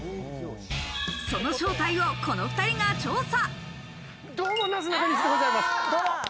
その正体をこの２人が調査。